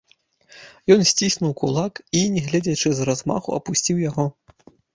Ён сціснуў кулак і, не гледзячы, з размаху апусціў яго.